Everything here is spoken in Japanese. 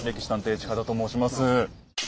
近田と申します。